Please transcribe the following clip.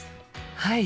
はい！